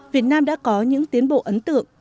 việt nam đã có những tiến bộ ấn tượng